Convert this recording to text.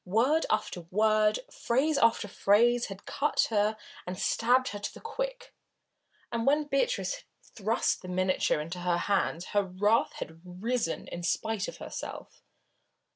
Word after word, phrase after phrase had cut her and stabbed her to the quick, and when Beatrice had thrust the miniature into her hands her wrath had risen in spite of herself.